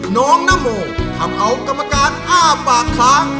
น้องนโมทำเอากรรมการอ้าปากค้าง